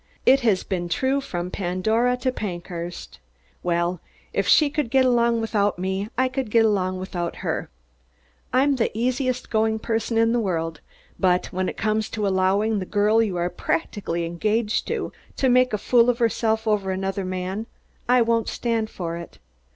It has been true from Pandora to Pankhurst. Well, if she could get along without me, I could get along without her. I'm the easiest going person in the world, but when it comes to allowing the girl you are practically engaged to, to make a fool of herself over another man, I won't stand for it.